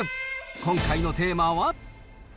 今回のテーマは。